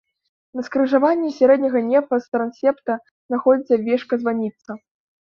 На скрыжаванні сярэдняга нефа з трансепта знаходзіцца вежка-званніца.